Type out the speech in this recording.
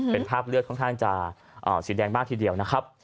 เป็นภาพเลือดค่อนข้างจะสีแดงมากทีเดียวนะครับ